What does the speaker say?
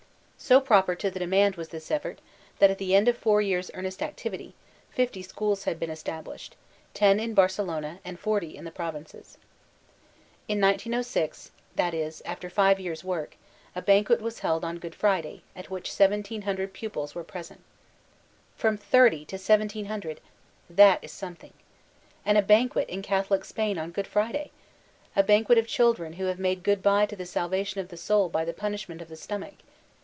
So proper to the demand was thb effort, that at the end of four years' earnest activity, fifty schools had beeq established, ten in Barcelona, and forty in the provinces. In 1906, that is, after five years' work, a banquet was held on Good Friday, at which 1,700 pupils were present. From 30 to 1,700, — that is something. And a banquet in Catholic Spain on Good Friday 1 A banquet of diil dren who have bade good bye to the salvation of the soul by the punishment of the stomach